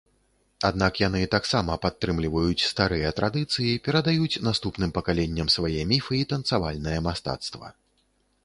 Аднак яны таксама падтрымліваюць старыя традыцыі, перадаюць наступным пакаленням свае міфы і танцавальнае мастацтва.